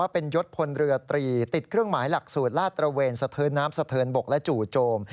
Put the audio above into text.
ผิดเครื่องหมายหลักสูตรลาดตระเวนสะเทินน้ำสะเทินบกและจู่โจม